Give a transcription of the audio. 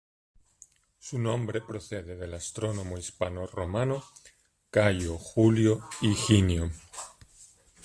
Su nombre procede del astrónomo hispanorromano Cayo Julio Higinio.